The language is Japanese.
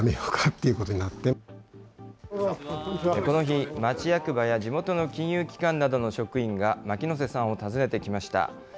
この日、町役場や地元の金融機関などの職員が牧之瀬さんを訪ねてきました。